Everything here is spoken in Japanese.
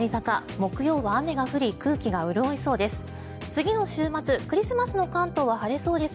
木曜は雨が降り空気が潤いそうです。